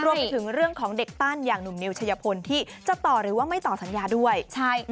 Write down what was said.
รวมถึงเรื่องของเด็กปั้นอย่างหนุ่มนิวชัยพลที่จะต่อหรือว่าไม่ต่อสัญญาด้วยใช่